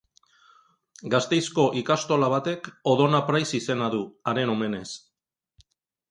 Gasteizko ikastola batek Odon Apraiz izena du, haren omenez.